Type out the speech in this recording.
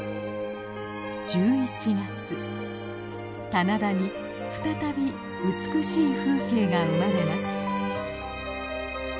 棚田に再び美しい風景が生まれます。